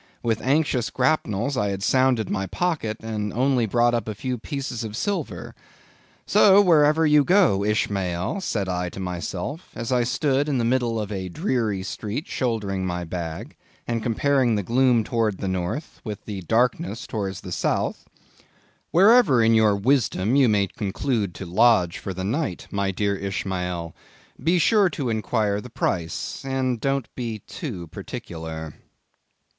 With anxious grapnels I had sounded my pocket, and only brought up a few pieces of silver,—So, wherever you go, Ishmael, said I to myself, as I stood in the middle of a dreary street shouldering my bag, and comparing the gloom towards the north with the darkness towards the south—wherever in your wisdom you may conclude to lodge for the night, my dear Ishmael, be sure to inquire the price, and don't be too particular.